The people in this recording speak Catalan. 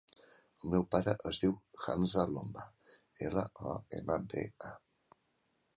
El meu pare es diu Hamza Lomba: ela, o, ema, be, a.